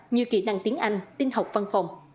như kỹ năng tiếng anh tinh học văn phòng